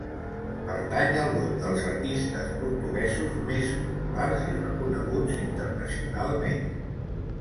Pertany al grup dels artistes portuguesos més populars i reconeguts internacionalment.